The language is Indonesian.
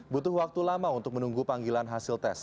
butuh waktu lama untuk menunggu panggilan hasil tes